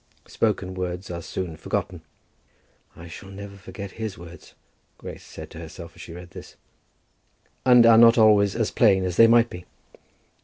Spoken words are soon forgotten, "I shall never forget his words," Grace said to herself as she read this; and are not always as plain as they might be.